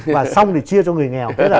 và xong thì chia cho người nghèo